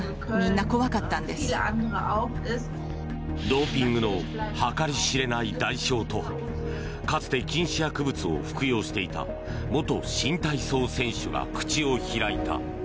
ドーピングの計り知れない代償とかつて禁止薬物を服用していた元新体操選手が口を開いた。